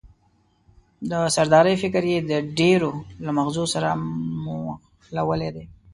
د سردارۍ فکر یې د ډېرو له مغزو سره مښلولی دی.